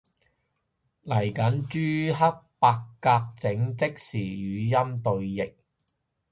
嚟緊朱克伯格整即時語音對譯